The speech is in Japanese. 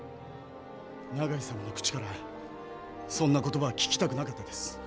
永井様の口からそんな言葉は聞きたくなかったです。